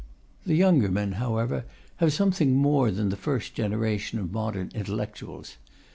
The younger men, however, have something more than the first generation of modern intellectuals.